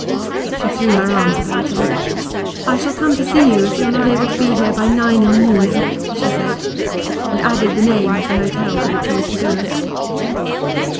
She threw her arms about him. 'I shall come to see you if you are not able to be here by nine in the morning,' she said, and added the name of the hotel to which he was to go.